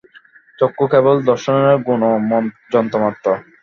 চক্ষু কেবল দর্শনের গৌণ যন্ত্রমাত্র।